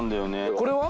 これは？